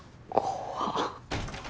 怖っ。